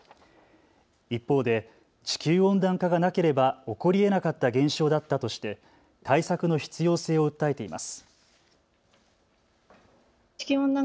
一方で地球温暖化がなければ起こりえなかった現象だったとして対策の必要性を訴えています。